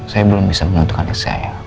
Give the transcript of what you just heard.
saya belum bisa menentukan saya